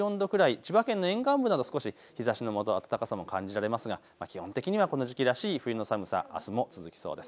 千葉県の沿岸部など少し日ざしのもと、暖かさも感じられますが、基本的にはこの時期らしい冬の寒さ、あすも続きそうです。